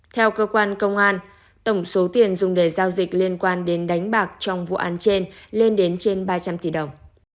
theo cơ quan công an tổng số tiền dùng để giao dịch liên quan đến đánh bạc trong vụ án trên lên đến trên ba trăm linh tỷ đồng